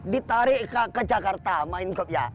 ditarik ke jakarta main kopnya